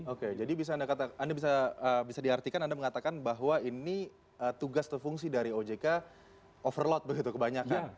oke jadi anda bisa diartikan anda mengatakan bahwa ini tugas atau fungsi dari ojk overload begitu kebanyakan